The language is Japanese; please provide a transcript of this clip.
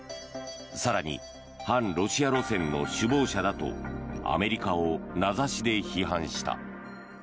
更に、反ロシア路線の首謀者だとアメリカを名指しで批判した。